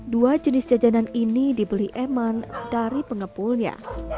dua jenis jajanan ini dibeli eman dari pengepulnya